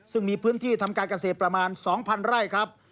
ซึ่งมีพื้นที่ทำการเกษตรประมาณ๒๐๐ไร่ครับ